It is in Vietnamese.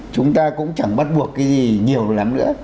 chúng ta cũng chẳng bắt buộc cái gì nhiều lắm nữa